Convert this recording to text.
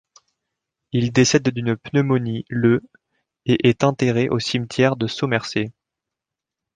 Il décède d'une pneumonie le et est enterré au cimetière de Somerset.